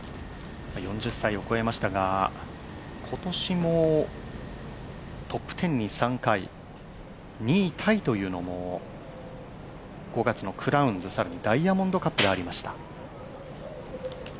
４０歳を超えましたが今年もトップ１０に３回２位タイというのも５月のクラウンズ、更にほかにもありました。